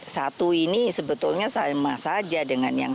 satu ini sebetulnya sama saja dengan yang seratus itu